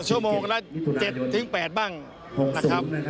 ชั่วโมงละ๗๘บ้างนะครับ